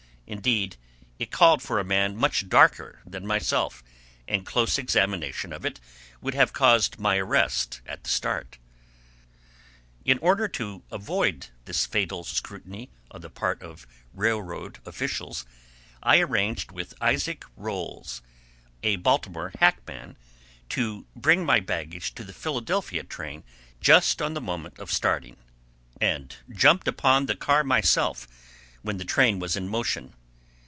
Indeed, it called for a man much darker than myself, and close examination of it would have caused my arrest at the start. In order to avoid this fatal scrutiny on the part of railroad officials, I arranged with Isaac Rolls, a Baltimore hackman, to bring my baggage to the Philadelphia train just on the moment of starting, and jumped upon the car myself when the train was in motion.